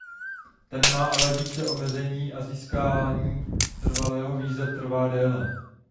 Ten má ale více omezení a získání trvalého víza trvá déle.